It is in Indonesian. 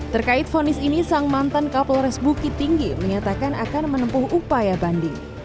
terkait fonis ini sang mantan kapolres bukit tinggi menyatakan akan menempuh upaya banding